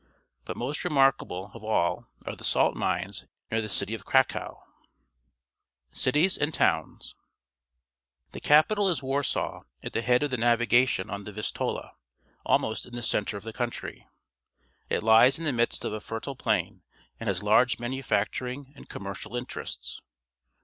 But most remarkable of all are the salt mines near the citj of Cracow. Cities and Towns. — The capital is Warsaic, at the head of na\ngation on the Vistula, almost in the centre of the country. It lies in the midst of a fertile plain and has large manufacturing and commercial interests.